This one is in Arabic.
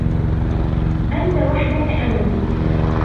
أنت وحدك أملي.